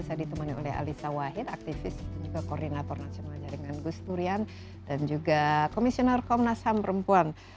saya ditemani oleh alisa wahid aktivis juga koordinator nasional jaringan gus durian dan juga komisioner komnas ham perempuan